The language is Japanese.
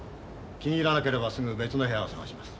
気に入らなければすぐ別の部屋を探します。